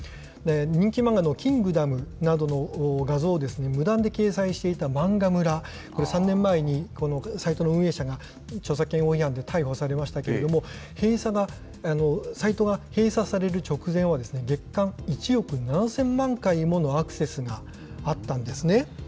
人気漫画のキングダムなどの画像を、無断で掲載していた漫画村、これ３年前に、サイトの運営者が著作権法違反の疑いで逮捕されましたが、サイトが閉鎖される直前は、月間１億７０００万回ものアクセスがあったんですね。